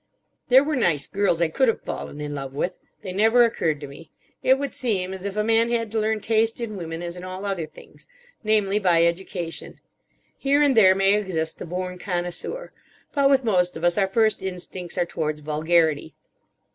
There were nice girls I could have fallen in love with. They never occurred to me. It would seem as if a man had to learn taste in women as in all other things, namely, by education. Here and there may exist the born connoisseur. But with most of us our first instincts are towards vulgarity.